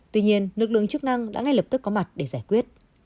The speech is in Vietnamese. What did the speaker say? tuy nhiên lực lượng chức năng đã ngay lập tức có mặt để giải quyết